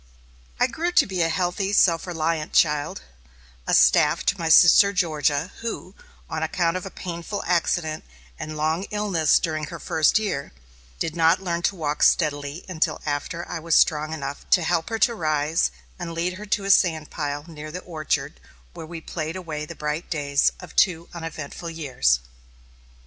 I grew to be a healthy, self reliant child, a staff to my sister Georgia, who, on account of a painful accident and long illness during her first year, did not learn to walk steadily until after I was strong enough to help her to rise, and lead her to a sand pile near the orchard, where we played away the bright days of two uneventful years.